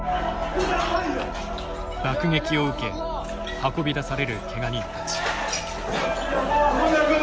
爆撃を受け運び出されるけが人たち。